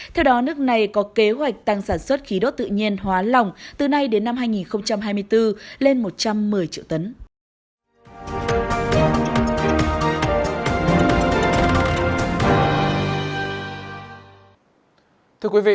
theo đó nước này có kế hoạch tăng sản xuất khí đốt tự nhiên hóa lỏng từ nay đến năm hai nghìn hai mươi bốn lên một trăm một mươi triệu tấn